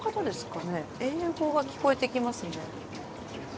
英語が聞こえてきますね。